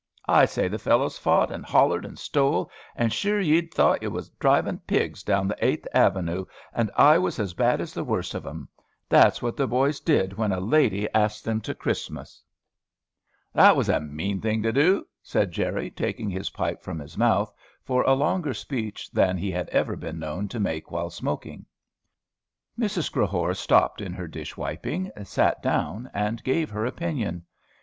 I say, the fellows fought, and hollared, and stole, and sure ye 'd thought ye was driving pigs down the Eighth Avenue, and I was as bad as the worst of 'em. That's what the boys did when a lady asked 'em to Christmas." "That was a mean thing to do," said Jerry, taking his pipe from his mouth for a longer speech than he had ever been known to make while smoking. Mrs. Crehore stopped in her dish wiping, sat down, and gave her opinion.